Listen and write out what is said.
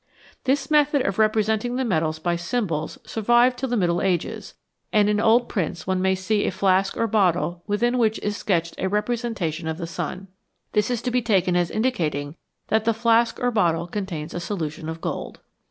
^ This method of representing the metals by symbols sur 18 THE DAWN OF CHEMISTRY vived till the Middle Ages, and in old prints one may see a flask or bottle within which is sketched a representation of the sun. This is to be taken as indicating that the flask or bottle contains a solution of gold.